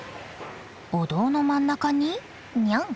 お堂の真ん中にニャン。